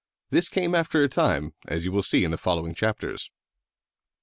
This came after a time, as you will see in the following chapters.